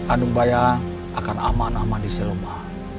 andung bayang akan aman aman di seloma